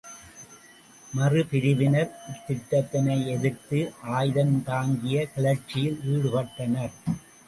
மறுபிரிவினர் இத்திட்டத்தினை எதிர்த்து ஆயுதம்தாங்கிய கிளர்ச்சியில் ஈடுபட்டனர்.